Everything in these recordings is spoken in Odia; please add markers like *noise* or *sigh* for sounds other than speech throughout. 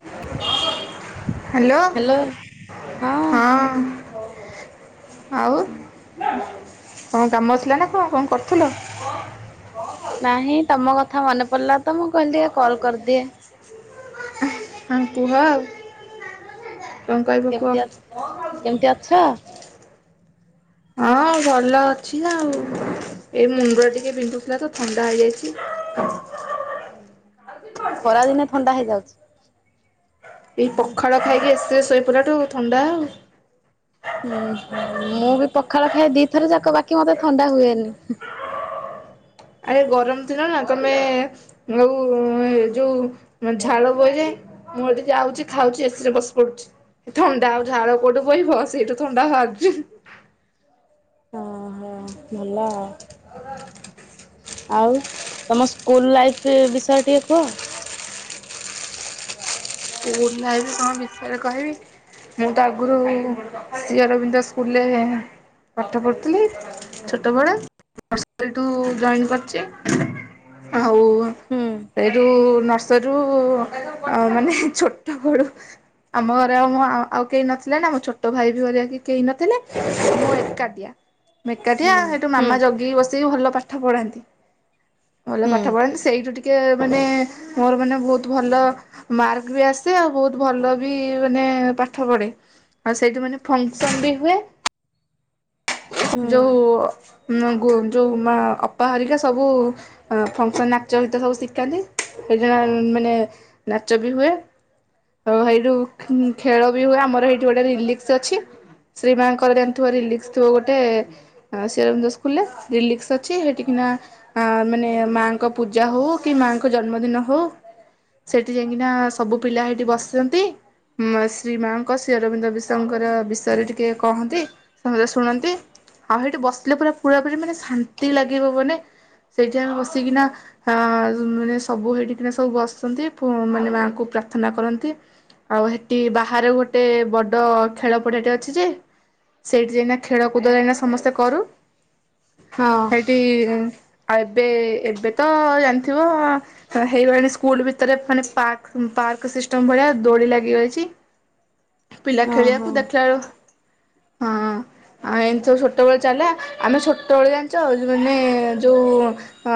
*inaudible* ହାଲୋ ହ୍ୟାଲୋ ହଁ ହଁ। ଆଉ କଣ କାମ ଆଥିଲା ନା କଣ କଣ କରୁଥିଲ। ନାହିଁ ତମ କଥା। କଥା ମନେ ପଡ଼ିଲା। ତ ମୁଁ କହିଲି ଆ କଲ କରିଦିଏ। ଆଂ କୁହ। କଣ କହିବ କୁହ? କେମତି କେମିତି ଅଛ। ହଁ ଭଲ ଅଛି ଆଉ ଏଇ ମୁଣ୍ଡ ଟିକେ ବିନ୍ଧୁଥିଲା ତ ଥଣ୍ଡା ହେଇଯାଇଛି। ଖରା ଦିନେ ଥଣ୍ଡା ହେଇଯାଉଛି। ଏଇ ପଖାଳ ଖାଇକି ଆସିବେ ଶୋଇପିଲାଠୁ ଥଣ୍ଡା ଆଉ। ହୁଁୁ ମୁଁ ବି ପଖାଳ ଖାଇଏ ଦିଥର ଯାକ ବାକି କି ମତେ ଥଣ୍ଡା ହୁଏନି। ଆରେ ଗରମ ଦିନ ନା ତମେୋଉ ଯୋଉ ଝାଳ ବୋହିରେ ମୁଁ ଏଠି ଯାଉଛି ଖାଉଛି ଏସିରେ ବସ ପଡୁଛି ଥଣ୍ଡା ଆଉ ଝାଳ କୋଉଠୁ ବହିିବ ସେ ଏଇଠୁ ଥଣ୍ଡା ବାହାରୁଛି। ହଁ ଭଲ। ଆଉ ତମ ସ୍କୁଲ ଲାଇଫ ବିଷୟ ଟିକେ କୁହ। ସ୍କୁଲାଇଣ ବିଷୟରେ କହିବି ମୁଁ ତ ଆଗରୁ ସରବିନ୍ଦ ସ୍କୁଲରେ ପାଠ ପଢ଼ୁଥିଲି ଛୋଟବେଳେୁ ଜ କରିଛି ଆଉ। ହୁଁ ଯେଉଁ ନର୍ସରରୁ ମାନେ ଛୋଟା ବଡ଼ ଆମ ଘରେ ଆଉ ମୋ ଆଉ କେହି ନଥିଲେ ନା ମୋ ଛୋଟ ଭାଇ ବି ବଆ କି କେହି ନଥିଲେ କାଦିଆ। ମେକାଠିଆ ହୁଁ ସେଠୁ ହୁଁ ମାମା ଜଗିକି ବସିକି ଭଲ ପାଠ ପଢାନ୍ତି। ଭଲ ହୁଁ ପାଠ ପଢ଼ନ୍ତି ସେଇଠୁ ଟିକେ ମାନେ ମୋର ମାନେ ବହୁତ ଭଲ ମାର୍କ ବି ଆସେ ଆଉ ବହୁତ ଭଲ ବି ମାନେ ପାଠ ପଢେ ଆଉ ସେଇଠି ମାନେ ଫଙ୍କସନ୍ ବି ହୁଏ। ହୁଁ ଯୋଉ ଯେଉଁ ମା ଅପା ହରିକା ସବୁ ଫଙ୍କସନ୍ ନାଚ ଗୀତ ସବୁ ଶିଖାନ୍ତି ସେଇଜଣ ମାନେ ନାଚ ବି ହୁଏ। ଆ ସେଇଠୁ ଖେଳ ବି ହୁଏ ଆମର ଏଇଠି ଗୋଟେ ରିଲିକ୍ସ ଅଛି ଶ୍ରୀ ମାଙ୍କର ଜାଣିଥିବା ରିଲିକସ ଥିବ ଗୋଟେ ଶର ସ୍କୁରେ ରିଲିକ୍ସ ଅଛି ସେଠିିକିନା ମାନେ ମାଙ୍କ ପୂଜା ହଉ କି ମାଙ୍କ ଜନ୍ମ ଦିନ ହଉ ସେଠି ଯାଇକିନା ସବୁ ପିଲା ହେଇଠି ବସିଛନ୍ତି ଶ୍ରୀ ମାଙ୍କ ଶ୍ରୀ ଅରବିନ୍ଦ ବିଷଙ୍କର ବିଷୟରେ ଟିକେ କହନ୍ତି ସମସ୍ତେ ଶୁଣନ୍ତି ଆଉ ସେଇଠି ବସିଲେ ପୁରା ପୁରାପୁୀ ମାନେ ଶାନ୍ତି ଲାଗିବ ମାନେ ସେଇଠି ଆମେ ବସିକିନା ମାନେ ସବୁ ହେଇଠିକିନା ସବୁ ବସିନ୍ତି ମାନେ ମାଆଙ୍କୁ ପ୍ରାର୍ଥନା କରନ୍ତି ଆଉ ସେଠି ବାହାରେ ଗୋଟେ ବଡ଼ ଖେଳପଡ଼ିଆଟି ଅଛି ଯେ ସେଇଠି ଯାଇକ ଖେଳକୁଦ ଯାଇନା ସମସ୍ତେ କରୁ। ହଁ ସେଠି ଆଉ ଏବେ ଏବେ ତ ଜାଣିଥିବ ହେଇଗଲାଣି ସ୍କୁଲ ଭିତରେ ମାନେ ପାର୍କ ପାର୍କ ସିଷ୍ଟମ୍ ଭଳିଆ ଦୋଡ଼ି ଲାଗିଗାଇଛି। ପିଲା ହଁ ଖେଳଆକୁ ହଁ ଦେଖଲା ବଳୁ ହଁ ଆଉ ଏମିତି ସବୁ ଛୋଟବେେଳ ଚାଲିଲ ଆମେ ଛୋଟବେେଳ ଜାଣିଛ ମାନେ ଯୋଉ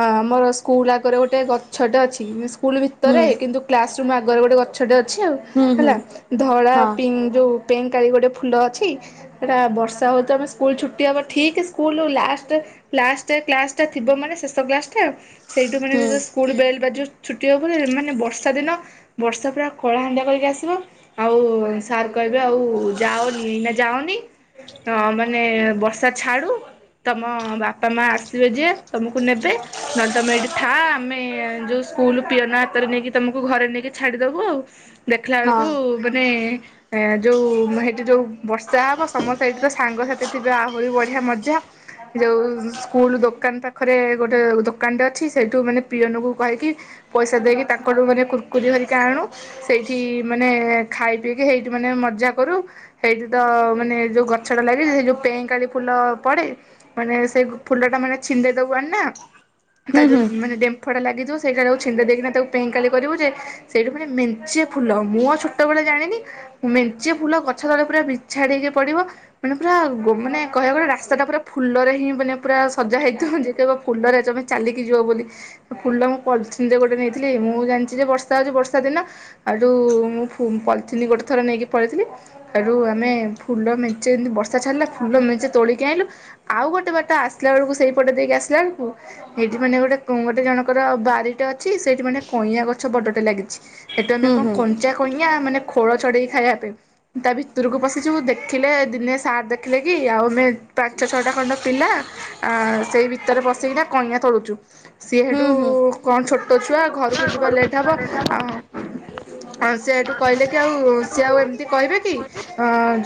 ଆମର ସ୍କୁଲ ଆଗରେ ଗୋଟେ ଗଛଟେ ଅଛି। ସ୍କୁଲ ହୁଁ ଭିତରେ କିନ୍ତୁ କ୍ଲାସ୍ ତୁ ଆଗରେ ଗୋ ଗଛଟେ ଆଛା ହୁଁ ହୁଁ ହେଲା ଧଳା ହଁ ପିଙ୍କ୍ ଯୋଉ ପେଁ କାଳି ଗୋଟେ ଫୁଲ ଅଛି, ସେଇଟା ବର୍ଷା ହେଉଥିବ ଆମେ ସ୍କୁଲ ଛୁଟି ହେବ ଠିକ୍ ସ୍କୁଲ୍ ଲାଷ୍ଟ, ଲାଷ୍ଟ କ୍ଲାସଟା ଥିବ ମାନେ ଶେଷ କ୍ଲାସଟା ସେଇଠୁ ମାନେ ହୁଁ ସ୍କୁଲ୍ ବେଲ୍ ବାଜିବ ଯେଉଁ ଛୁଟି ହେବ ମାନେ ବର୍ଷା ଦିନ ବର୍ଷା ପୁରା କଳାହାଣ୍ଡିଆ କରିକି ଆସିବ, ଆଉ ସାର୍ କହିବେ ଆଉ ଯାଅନି, ଏଇନା ଯାଅନି ମାନେ ବର୍ଷା ଛାଡୁ ତମ ବାପା ମା ଆସିବେ ଯେ ତମକୁ ନେବେ ନହେଲେ ତମେ ଏଇଠି ଥାଆ, ଆମେ ଯୋଉ ସ୍କୁଲ ପିଅନ ହାତରେ ନେଇକି ତମକୁ ଘରେ ନେଇକି ଛାଡିଦବୁ ଆଉ। ଦେଖିଲା ହଁ ବେଳକୁ ମାନେ ଯୋଉ ସେଇଠି ଯୋଉ ବର୍ଷା ହବ ସମସ୍ତେ ସେଇଠି ତ ସାଙ୍ଗସାଥି ଥିବେ ଆହୁରି ବଢିଆ ମଜା, ଯୋଉ ସ୍କୁଲ ଦୋକାନ ପାଖରେ ଗୋଟେ ଦୋକାନଟେ ଅଛି ସେଇଠୁ ମାନେ ପିଅନକୁ କହିକି ପଇସା ଦେଇକି ତାଙ୍କଠୁ ମାନେ କୁର୍ କୁରି ଧରିକି ଆଣୁ ସେଇଠି ମାନେ ଖାଇ ପିଇକି ସେଇଠି ମାନେ ମଜା କରୁ ସେଇଠି ତ ମାନେ ଯୋଉ ଗଛଟା ଲାଗିଛି ସେ ଯୋଉ ପେଁ କାଳି ଫୁଲ ପଡେ ମାନେ ସେଇ ଫୁଲଟା ମାନେ ଛିଣ୍ଡେଇ ଦବୁ ଆଣି ନା। ହୁଁ ତା ହୁଁ ଯୋଉ ମାନେ ଡେମ୍ଫଟା ଲାଗି ସେଇଟା ଛିଣ୍ଡେଇ ଦେଇକିନା ତାକୁ ପେଁକାଳି କରିବୁ ଯେ। ସେଇଠୁ ମାନେ ମେଞ୍ଚେ ଫୁଲ ମୁଁ ଆଉ ଛୋଟ ବେଳେ ଜାଣିନି ମେଞ୍ଚେ ଫୁଲ ଗଛ ତଳେ ପୁରା ବିଛାଡି ହେଇକି ପଡିବ, ମାନେ ପୁରା ଗୋ ମାନେ କହିବାକୁ ଗଲେ ରାସ୍ତାଟା ପୁରା ଫୁଲରେ ହିଁ ମାନେ ପୁରା ସଜା ହେଇଥିବ ଯେ କହିବ ଫୁଲରେ ତମେ ଚାଲିକି ଯିବ ବୋଲି, ଫୁଲ ମୁଁ ପଲିଥିନ୍ ଯୋଉ ଗୋଟେ ନେଇଥିଲି ମୁଁ ଜାଣିଛି ଯେ ବର୍ଷା ହଉଛି ବର୍ଷା ଦିନ ହେଇଠୁ ମୁଁ ଫୁ ପଲିଥିନ୍ ଗୋଟେ ଥର ନେଇକି ପଳେଇଥିଲି ହେଇଠୁ ଆମେ ଫୁଲ ମେଞ୍ଚେ ଯେମିତି ବର୍ଷା ଛାଡିଲା ଫୁଲ ମେଞ୍ଚେ ତୋଳିକି ଆଣିଲୁ ଆଉ ଗୋଟେ ବାଟ ଆସିଲା ବେଳକୁ ସେଇ ପଟ ଦେଇକି ଆସିଲା ବେଳକୁ ସେଇଠି ମାନେ ଗୋଟେ ଗୋଟେ ଜଣଙ୍କର ବାରିଟେ ଅଛି ସେଇଠି ମାନେ କଇଁୟା ଗଛ ବଡ ଟେ ଲାଗିଛି। ସେଇଠୁ ଆମେ ହୁଁ ହୁଁ କଣ ହୁଁ କଞ୍ଚା କଇଁୟା ମାନେ ଖୋଳ ଛଡ଼େଇକି ଖାଇବା ପାଇଁ ତା ଭିତରକୁ ପଶିଯିବୁ ଦେଖିଲେ ଦିନେ ସାର ଦେଖିଲେ କି ଆଉ ଆମେ ପାଞ୍ଚ ଛଅଟା ଖଣ୍ଡ ପିଲା ଆ ସେଇ ଭିତରେ ପଶିକିନା କଇଁୟା ତୋଳୁଛୁ। ସିଏ ହେଠୁ ହୁଁ କଣ ଛୋଟ ଟ ଛୁଆ ଘରକୁ ଯିବା ଲେଟ୍ ହବ। ଆଉ ଆ ସେ ସେଠୁ କହିଲେ କି ଆଉ ସିଏ ଆଉ ଏମିତି କହିବେ କି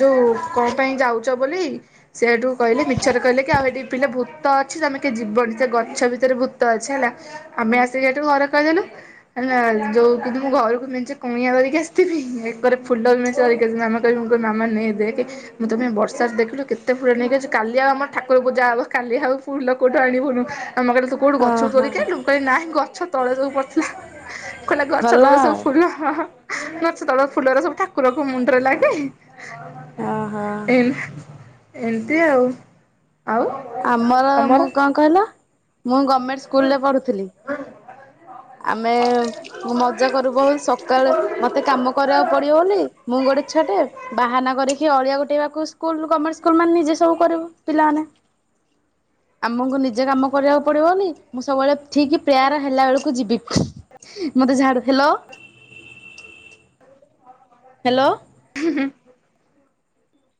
ଯୋଉ କଣ ପାଇଁ ଯାଉଛ ବୋଲି ସେ ସେଠୁ କହିଲେ ମିଛରେ କହିଲେ କି ଆଉ ହେଠି ପିଲେ ଭୂତ ଅଛି ତମେ କେହି ଯିବନି ସେ ଗଛ ଭିତରେ ଭୂତ ଅଛି ହେଲା ଆମେ ଆସିକି ସେଇଠୁ ଘରେ କହିଦେଲୁ *inaudible* ହେଲା। ଯୋଉ କିନ୍ତୁ ମୁଁ ଘରକୁ ମେଞ୍ଚେ କଇଁୟା ଧରିକି ଆସିଥିବି, ଏକରେ ଫୁଲ ବି ମେଞ୍ଚେ ଧରିକି ଆସିଥିବି ମାମାକୁ କହିବି ମାମା ନେ ଦେଖେ ମୁଁ ତୋ ପାଇଁ ବର୍ଷାରେ ଦେଖିଲୁ କେତେ ଫୁଲ ନେଇକି ଆସିଛି କାଲି ଆଉ ଆମ ଠାକୁର ପୂଜା ହବ, କାଲି ଆଉ ଫୁଲ କୋଉଠୁ ଆଣିବୁନୁ। ମାମା କହିଲେ ତୁ କଉଠୁ ଗଛରୁ ଓହୋ ତୋଳିକି ଆଣିଲୁ ମୁଁ କହିଲି ନାଇଁ ଗଛ ତଳେ ସବୁ ପଡ଼ିଥିଲା। କହିଲା ଗଛ ଭଲ ତଳେ ସବୁ ଫୁଲ ହାଁ ହାଁ। ଗଛ ତଳ ଫୁଲରେ ସବୁ ଠାକୁରଙ୍କ ମୁଣ୍ଡରେ ଲାଗେ। ଓହୋ ଏଇନେ। ଏମିତି ଆଉ। ଆଉ ଆମର ତମର? ମୁଁ କଣ କହିଲ? ମୁଁ ଗମେଣ୍ଟ୍ ସ୍କୁଲରେ ପଢୁଥିଲି। ଆମେ ମଜା କରୁ ବହୁତ ସକାଳେ ମତେ କାମ କରିବାକୁ ପଡିବ ବୋଲି ମୁଁ ଗୋଟେ ଛୁଆଟେ ବାହାନା କରିକି ଅଳିଆ ଗୋ *inaudible* ବାକୁ ସ୍ଲୁଲ ଗମେଣ୍ଟ୍ ସ୍କୁଲ ମାନେ ନିଜେ ସବୁ କରିବୁ ପିଲାମାନେ। ଆମକୁ ନିଜେ କାମ କରିବାକୁ ପଡିବନି ମୁଁ ସବୁବେଳେ ଠିକ୍ ପ୍ରେୟାର୍ ହେଲା ବେଳକୁ ଯିବି ମତେ ଝାଡୁ ହାଲୋ। ହାଲୋ। ହୁଁହୁଁ।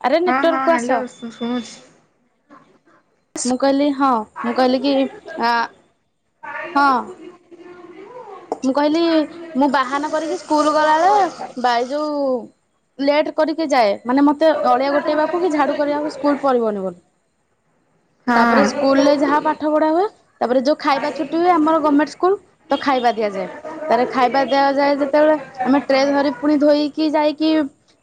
ଆରେ ହଁ ହଁ ନେଟୱାର୍କକୁ ଆସ ହାଲୋ ଶୁଣୁଛି। ମୁଁ କହିଲି। ହଁ ମୁଁ କହିଲି କି ଆଁ ହଁ। ମୁଁ କହିଲି ମୁଁ ବାହାନ କରିକି ସ୍କୁଲ ଗଲାବେଳେ ଏଇ ଯୋଉ ଲେଟ୍ କରିକି ଯାଏ। ମାନେ ମତେ ଅଳିଆ ଗୋଟେଇବାକୁ କି ଝାଡୁ କରିବାକୁ ସ୍କୁଲ ପଡିବନି ବୋଲି। ତାପରେ ହଁ। ସ୍କୁଲ ରେ ଯାହା ପାଠ ପଢା ହୁଏ ତାପରେ ଯୋଉ ଖାଇବା ଛୁଟି ହୁଏ ଆମର ଗଭଣମେଣ୍ଟ ସ୍କୁଲ ତ ଖାଇବା ଦିଆଯାଏ ତାଲେ ଖାଇବା ଦିଆଯାଏ ଯେତେବେଳେ ଆମେ ଟ୍ରେ ଧରି ପୁଣି ଧୋଇକି ଯାଇକି।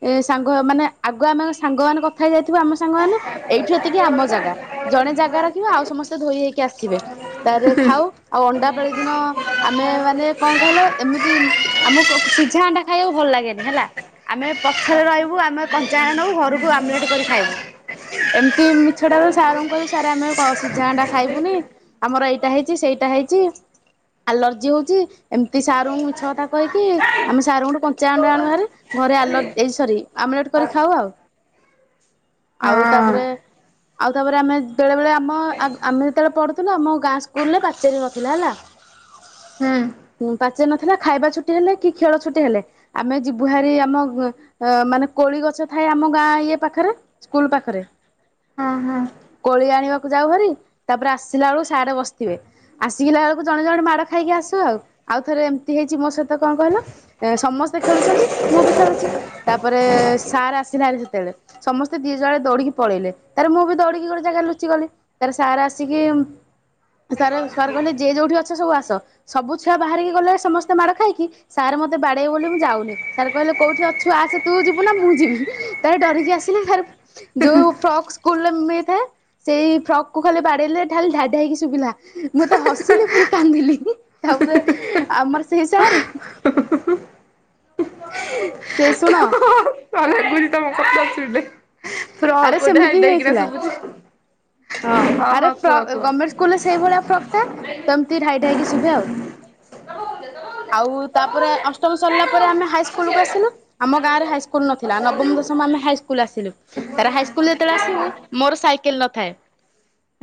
ଏ ସାଙ୍ଗ ମାନେ ଆଗୁ ଆମେ ସାଙ୍ଗ ମାନ କଥା ହେଇ ଯାଇ ଆମ ସାଙ୍ଗମାନେ ଏଇଠୁ ଏତିକି ଆମ ଜାଗା ଜଣେ ଜାଗା ରଖିବ ଆଉ ସମସ୍ତେ ଧୋଇ ହେଇକି ଆସିବେ ତାପରେ ଖାଉ ଆଉ ଅଣ୍ଡା ପାାଳି ଦିନ ଆମେ ମାନେ କଣ କହିଲ ଏମିତି ଆମକୁ ସିଝା ଅଣ୍ଡା ଖାଇବାକୁ ଭଲ ଲାଗେନି ହେଲା। ଆମେ ପଛରେ ରହିବୁ ଆମେ କଞ୍ଚା ଅଣ୍ଡା ନବୁ ଘରକୁ ଆମଲେଟ କରି ଖାଇବୁ। ଏମିତି ମିଛଟାରୁ ସାରଙ୍କୁ କହିବୁ ସାର୍ ଆମେ ସିଝା ଟା ଖାଇବୁନି ଆମର ଏଇଟା ହେଇଛି ସେଇଟା ହେଇଛି ଆଲର୍ଜି ହୋଉଚି। ଏମିତି ସାରଙ୍କୁ ମିଛ କଥା କହିକି ଆମେ ସାରଙ୍କୁଠୁ କଞ୍ଚା ଅଣ୍ଡା ଆଣ ବାରେ ଘରେ ଆଲ ସରି ଆମଲେଟ କରି ଖାଉ ଆଉ। ଆଉ ତାପରେ ହଁ ଆଉ ତାପରେ ଆମେ ବେଳେବେଳେ ଆମ ଆମେ ଯେତେବେଳେ ପଢ଼ୁ ତୁ ଆମ ଗାଁ ସ୍କୁଲ ରେ ପାଚୋରୀ ନଥିଲା ହେଲା। ହୁଁ ମୁଁ ପା ସେ ନଥିଲା ଖାଇବା ଛୁଟି ହେଲେ କି ଖେଳ ଛୁଟି ହେଲେ ଆମେ ଯିବୁହାରି ଆମ ମାନେ କୋଳି ଗଛ ଥାଏ ଆମ ଗାଁ ଇଏ ପାଖରେ ସ୍କୁଲ ପାଖରେ ହଁ ହଁ। କୋଳି ଆଣିବାକୁ ଯାଉ ଭରିି ତାପରେ ଆସିଲା ବେଳକୁ ସାର୍ ବସିଥିବେ ଆସିକିଲା ବେଳକୁ ଆ ଜଣେ ଜଣେ ମାଡ ଖାଇକି ଆସୁ ଆଉ। ଆଉ ଥରେ ଏମିତି ହେଇଛି ମୋ ସହିତ କଣ କହିଲା? ଏ ସମସ୍ତେ ଖେଳୁଛନ୍ତି ମୁଁ ବି ଖେଳୁଛି ତାପରେ ସାର୍ ଆସିନାହାନ୍ତି ଯେତେବେଳେ ସମସ୍ତେ ଦି ଯୁଆଡେ ଦୌଡିକି ପଳେଇଲେ ତାର ମୁଁ ବି ଦୌଡିକି ଗୋଟେ ଜାଗା ଲୁଚି ଗଲି ତାର ସାର ଆସିକି ସାରକାର କହିଲେ ସବୁ ଆସ ସବୁ ଛୁଆ ବାହାରିକି ଗଲେ ସମସ୍ତେ ମାଡ ଖାଇକି ସାର୍ ମତେ ବାଡେଇବ ବୋଲି ମୁ ଯାଉନି ସାର୍ କହିଲେ କୋଉଠି ଅଛୁ ଆସେ ତୁ ଯିବୁ ନା ମୁଁ ଯିବି ତ ଡରିକି ଆସିଲେ ସ ଯୋଉ ଫ୍ରକ୍ ସ୍କୁଲରେ ମିଳିଥାଏ ସେଇ ଫ୍ରକ୍ କୁ ଖାଲି ବାଡେଇଲେ ଖାଲିଢାଡି ହେଇକି ଶୁଭିଲା ମୁ ତ ହ ଆସିଲି ପୁଣି କାନ୍ଦିଲି ତାପରେ ଆମର ସେଇ ସାର୍ ସେଇ ଶୁଣ ଲାଗୁଛି *unintelligible* ଫ୍ରକ୍ ଆରେ ଗୋଟେ ସେମିତି ହାଇଟ୍ ହେଇକିନା ହେଇଥିଲା ଶୁଭୁଛି ହଁ ଆରେ ହଁ କୁହ କୁହ। ଗମେଟ ସ୍କୁଲରେ ସେଇଭଳିଆ ଫ୍ରକ ଥାଏ। ସେମିତିଇ ଢାଇ ଢାଇ କି ଶୁଭେ ଆଉ। ଆଉ ତାପରେ ଅଷ୍ଟମ ସରିଲା ପରେ ଆମେ ହାଇସ୍କୁଲକୁ ଆସିଲୁ ଆମ ଗାଁରେ ହାଇସ୍କୁଲ ନଥିଲା ନବମ ଦଶମ ଆମେ ହାଇ ସ୍କୁଲ ଆସି ତାର ହାଇସ୍କୁଲ ଯେତେଳେ ଆସିବୁ ମୋର ସାଇ କେନ ନଥାଏ।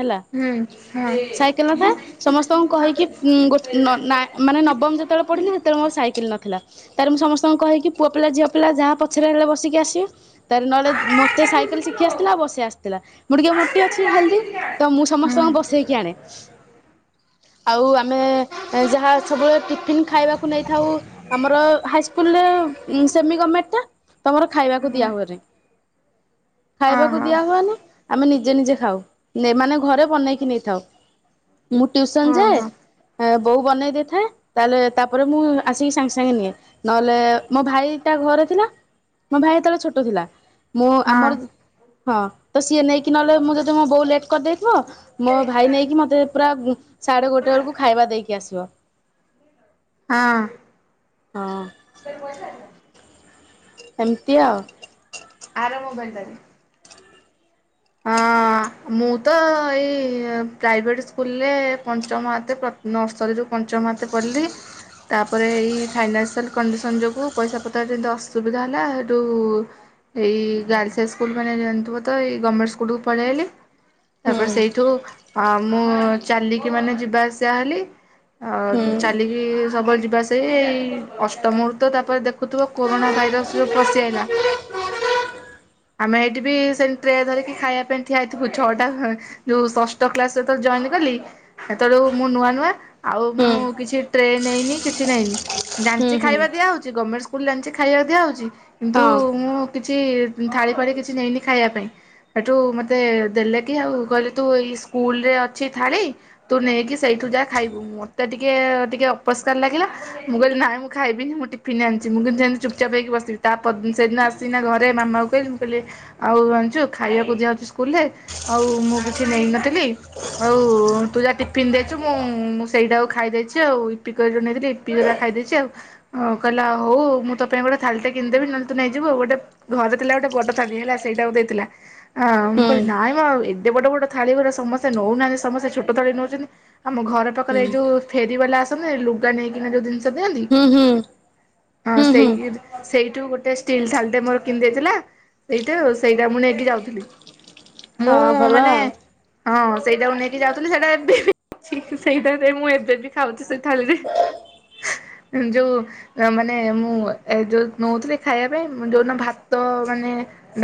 ହେଲା ହୁଁ ହଁ। ସାଇକେଲ ନଥାଏ ସମସ୍ତଙ୍କୁ କହିକି ନ ନା ମାନେ ନବମ ଯେତେବେଳେ ପଢିଲେ ସେତେବେଳେ ମୋର ସାଇକେଲ ନଥିଲା। ତାରେ ମୁଁ ସମସ୍ତଙ୍କୁ କହିକି ପୁଅ ପିଲା ଝିଅ ପିଲା ଯାହା ପଛରେ ହେଲେ ବସିକି ଆସେ ତା ନହଲେ ମୋତେ ସାଇକେ ଶିଖି ଆସିଥିଲା ଆଉ ବସେଇ ଆସିଥିଲା। ମୁଁ ଟିକେ ମୋଟି ଅଛି ହେଲଦି ତ ମୁଁ ସମସ୍ତଙ୍କୁ ବସେଇକି ଆଣେ। ଆଉ ଆମେ ଯାହା ସବୁବେଳେ ଟିଫିନ୍ ଖାଇବାକୁ ନେଇଥାଉ ଆମର ହାଇସ୍କୁଲରେ ସେମି ଗମେଣ୍ଟ ଟା ତୁମର ଖାଇବାକୁ ଦିଆହୁଏନି। ହୁଁ ଖାଇବାକୁ ହଁ ଦିଆ ହୁଏନି ଆମେ ନିଜେ ନିଜେ ଖାଉ ମାନେ ଘରେ ବନେଇକି ନେଇଥାଉ। ମୁଁ ଟ୍ୟୁସନ ଯାଏ ଓହୋ। ବୋଉ ବନେଇ ଦେଇଥାଏ। ତାହେଲେ ତାପରେ ମୁଁ ଆସିକି ସାଙ୍ଗେ ସାଙ୍ଗେ ନିଏ ନହେଲେ ମୋ ଭାଇ ତା ଘରେ ଥିଲା ମୁଁ ହଁ ଆମର ହଁ ତ ସିଏ ନେଇକି ନହେଲେ ମୁଁ ଯଦି ମୋ ବଉ ଲେଟ୍ କରିଦିଏ ହ ମୋ ଭାଇ ନେଇକି ମତେ ପୁରା ସାଢେ ଗୋଟେ ବେଳକୁ ଖାଇବା ଦେଇକି ଆସିବ। ହ। ହଁ। ତା ଠୁ ପଇସା ଆଣିନ ଏମତି ଆଉ। ଆର ମୋବାଇଲ ଟା ରେ ହଁ ମୁଁ ତ ଏଇ ପ୍ରାଇଭେଟ୍ ସ୍କୁଲରେ ପଞ୍ଚମ ଆତେ ନିର୍ସରୀ ରୁ ପଞ୍ଚମ ହାତେ ପଢ଼ିଲି ତାପରେ ଏଇ ଫାଇନାନ୍ସିଆଲ୍ କଣ୍ଡିସନ୍ ଯୋଗୁଁ ପଇସା ପତ୍ର ଯେମିତି ଅସୁବିଧା ହେଲା ହେଠୁ ଏଇ ଗାର୍ଲସ ହାଇସ୍କୁଲ ମାନେ ଯାନିଥିବ ତ ଏଇ ଗମେଣ୍ଟ କିଡୁକୁ ପଳେଇ ଆଇଲି ହୁଁ ତାପରେ ସେଇଠୁ ଅଂ ମୁଁ ଚାଲିକି ମାନେ ଯିବା ଆସିବା ହେଲି ଅ ହୁଁ ଚାଲିକି ସବୁବେଳେ ସେଇ ଅଷ୍ଟମରୁ ତ ତାପରେ ଦେଖୁଥିବ କୋରୋନା ଭାଇରସ ଜଉ ପସିି ଆଇଲା ଆମେ ଏଠି ବି ସେ ଟେ ଧରିକି ଖାଇବା ପାଇଁ ଠିଆ ହେଇଥିବୁ ଛଅଟା ଯୋଉ ଷଷ୍ଟ କ୍ଲାସ ରେ ଯେତେବେଳେ ଜଏନ୍ କଲି ସେତେବେୁଳେ ମୁଁ ନୂଆ ନୂଆ ଆଉ ହୁଁ ମୁଁ କିଛି ଟ୍ରେନ୍ ନେଇନି କିଛି ନେଇନି ହୁଁ ଜାଣିଛି ହୁଁ ଖାଇବା ଦିଆହଉଛି ଗମେଣ୍ଟ ସ୍କୁଲ ଲଞ୍ଚ ରେ ଖାଇବାକୁ ଦିଆହେଉଛି କିନ୍ତୁ ହଁ ମୁଁ କିଛି ଥାଳି ଫାଳି କିଛି ନେଇନି ଖାଇବା ପାଇଁ। ହେଠୁ ମୋତେ ଦେଲେକି ଆଉ କହିଲେ ତୁ ଏଇ ସ୍କୁଲରେ ଅଛି ଥାଳି ତୁ ନେଇକି ସେଇଠୁ ଯା ଖାଇବୁ ମୋତେ ଟିକେ ଟିକେ ଅପସ୍କାର ଲାଗିଲା ମୁଁ କହିଲି ନାହିଁ ମୁଁ ଖାଇବିନି ମୁଁ ଟିଫନ୍ ଆଣିଛି ମୁଁ କହିଲି ଯେମିତି ଚୁପଚାପ୍ ହେଇକି ବସିବି ତା ପରଦିନ ସେଦିନ ଆସିିଗିନା ଘରେ ମାମାକୁ କହିଲି ମୁଁ କହିଲି ଆଉ ଜାଣିଛୁ ଖାଇବାକୁ ଦିଆହଉଛି ସ୍କୁଲରେ ଆଉ ମୁଁ କିଛି ନେଇନଥିଲି ଆଉ ତୁ ଯାହା ଟିଫିନ୍ ଦେଇଛୁ ମୁଁ ମୁଁ ସେଇଟାକୁ ଖାଇ ଦେଇେଇଛି ଆଉ ଇପି କରି ଯଉ ନେଇଥିଲି ଇପି ଗୁରା ଖାଇ ଦେଇଛି ଆଉ କହିଲା ହଉ ମୁଁ ତୋ ପାଇଁ ଗୋଟେ ଥାାଲିଟେ କିଣିଦେବି ନହେଲେ ତୁ ନେଇଯିବୁ ଆଉ ଗୋଟେ ଘରେ ଥିଲା ଗୋଟେ ବଡ଼ ଥାଳି ହେଲା ସେଇଟାକୁ ଦେଇଥିଲା। ଆଁ ମୁଁ ହୁଁ କହିଲି ନାଇଁ ମ ଏଡେ ବଡ ବଡ ଥାଳି ଗୁରେ ସମସ୍ତେ ନଉନାହାନ୍ତି ସମସ୍ତେ ଛୋଟ ଥାଳି ନଉଛନ୍ତି। ଆମ ଘର ପାଖରେ ହୁଁ ଏଇ ଯୋଉ ଫେରିବାଲା ଆସେ ଲୁଗା ନେଇକିନା ଯୋଉ ଜିନଷ ହୁଁ ହୁଁ ହଁ ହୁଁ ହୁଁ ସେଇ ସେଇଠୁ ଗୋଟେ ଷ୍ଟିଲ୍ ଥାଲି ଟେ ମୋର କିଣି ଦେଇଥିଲା ସେଇଠୁ ସେଇଟା ମୁଁ ନେଇ ଯାଉଥିଲି ହଁ ଭଲ ମାନେ ଆଉ। ହଁ ସେଇଟାକୁ ନେଇକି ଯାଉଥିଲି ସେଇଟା ଏବେ ବି ଅଛି ସେଇଟାରେ ମୁଁ ଏବେ ବି ଖାଉଛି ସେଇ ଥାଳିରେ ଯୋଉ ମାନେ ମୁଁ ଯୋଉ ନଉଥିଲି ଖାଇବା ପାଇଁ ମୁ ଯୋଉ ଦିନ ଭାତ ମାନେ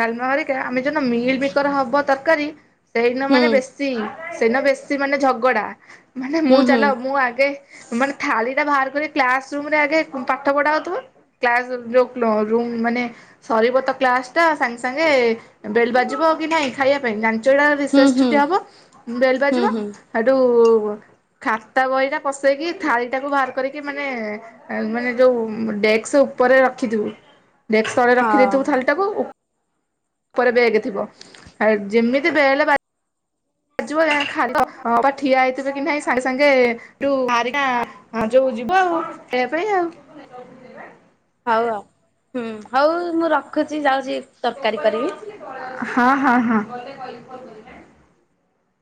ଡାଲମା ଆମେ ଜଉ ମିଲ୍ ମିକର ହବ ତରକାରୀ ସେଇଦିନ ମାନେ ହୁଁ ବେଶୀ ସେଇଦିନ ବେଶୀ ମାନେ ଝଗଡା ମାନେ ମୁଁ ହୁଁ ଚାଲ ହୁଁ ମୁଁ ଆଗେ ମାନେ ଥାଳି ଟା ବାହାର କରି କ୍ଲାସ ରୁମରେ ଆଗେ ପାଠ ପଢା ହଉଥିବ କ୍ଲାସ ଯୋଉ ରୁମ ମାନେ ସରିବ ତ କ୍ଲାସ ଟା ସାଙ୍ଗେ ସାଙ୍ଗେ- ବେଲ୍ ବାଜିବକି ନାଇଁ ଖାଇବା ପାଇଁ ଜାଣି- ଯଉଟା ହୁଁ ରିଶେଷ ହୁଁ ଛୁଟି ହେବ ବେଲ ହୁଁ ବାଜିବ ହୁଁ ହଁ ହେଠୁ- ଖାତା ବହି ଟା ପସେଇକି ଥାଳି ଟାକୁ ବାହାର କରିକି ମାନେ ମାନେ ଯୋଉ ଡେସ୍କ ଉପରେ ରଖିଥିବୁ- ଡେକ୍ସ ତଳେ ରଖିଦେଇଥୁ ଥାାଲି ହଉ ଟାକୁ - ଉପରେ ବେଗେ ଥିବ ଆ ଯେମିତି ବେଲେ ବାଜି - ଯିବ ଖାଲିଁ ଠିଆ ହେଇଥିବେ କି ନାଇଁ ସାଙ୍ଗେ ସାଙ୍ଗେ ଯୋଉ ଯିବ ଆଉ ଖାଇବା ପାଇଁ ଆଉ। ହଉ ଆଉ ହୁଁ ହଉ ମୁଁ ରଖୁଛି ଯାଉଛି। ତରକାରୀ କରିବି। ହଁ ହଁ ହଁ। *unintelligible*